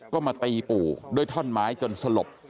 ก็มาตีปู่ด้วยท่อนไม้จนสลบ